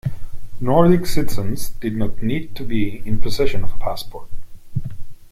Nordic citizens did not need to be in possession of a passport.